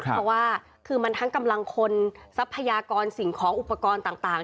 เพราะว่าคือมันทั้งกำลังคนทรัพยากรสิ่งของอุปกรณ์ต่าง